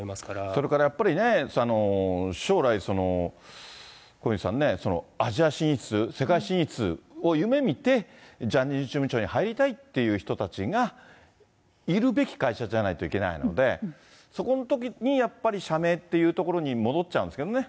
それからやっぱりね、将来、小西さんね、アジア進出、世界進出を夢みて、ジャニーズ事務所に入りたいっていう人たちがいるべき会社じゃないといけないので、そこのときに、やっぱり社名っていうところに戻っちゃうんですけどね。